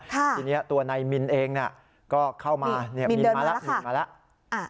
ทีนี้ตัวในมินเองก็เข้ามามินมาแล้ว